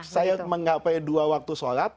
saya menggapai dua waktu sholat